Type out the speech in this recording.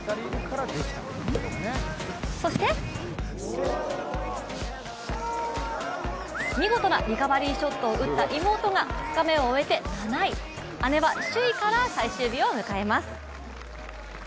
そして、見事なリカバリーショットを打った妹が２日目を終えて７位、姉は首位から最終日を迎えます。